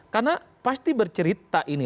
karena pasti bercerita ini